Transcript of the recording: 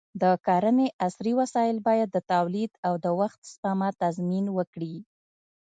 د کرنې عصري وسایل باید د تولید او د وخت سپما تضمین وکړي.